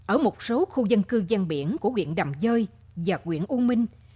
ở một số khu dân cư gian biển của quyện đầm dơi và quyện u minh